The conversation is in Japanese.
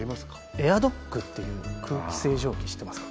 エアドッグっていう空気清浄機知ってますか？